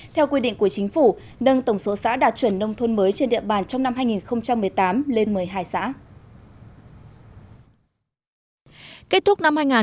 theo quy định của chính phủ nâng tổng số xã đạt chuẩn nông thôn mới trên địa bàn trong năm hai nghìn một mươi tám lên một mươi hai xã